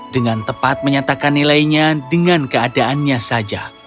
dengan tepat menyatakan nilainya dengan keadaannya saja